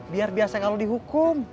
biar biasa kalau dihukum